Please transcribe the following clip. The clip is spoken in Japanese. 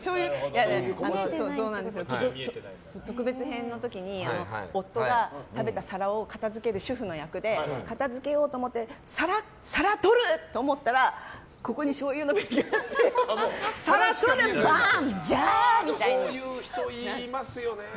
特別編の時に、夫が食べた皿を片づける主婦の役で片付けようと思って皿とる！と思ったらここにしょうゆの瓶があって皿とるそういう人いますよね。